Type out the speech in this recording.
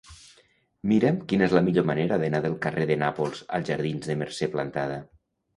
Mira'm quina és la millor manera d'anar del carrer de Nàpols als jardins de Mercè Plantada.